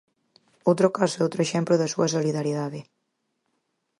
Outro caso e outro exemplo da súa solidariedade.